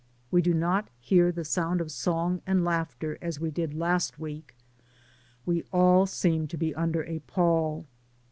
We do not hear the sound of song and laughter as we did last week; we all seem to be under a pall.